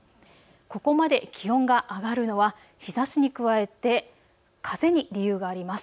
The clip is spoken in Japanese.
ここまで気温が上がるのは日ざしに加えて風に理由があります。